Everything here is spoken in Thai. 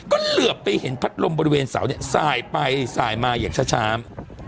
ก็เหลือบไปเห็นผัดลมบริเวณเสาเนี้ยใส่ไปใส่มาอย่างช้าช้าม